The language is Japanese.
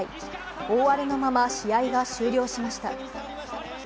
大荒れのまま試合が終了しました。